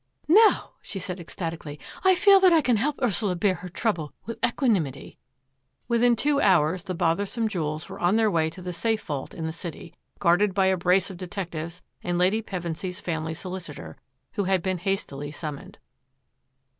" Now, she said ecstatically, " I feel that I can help Ursula bear her trouble with equanimity/* Within two hours the bothersome jewels were on their way to the safe vault in the city, guarded by a brace of detectives and Lady Pevensy's family solicitor, who had been hastily summoned.